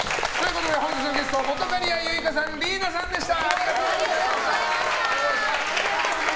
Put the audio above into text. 本日のゲスト本仮屋ユイカさんリイナさんでした。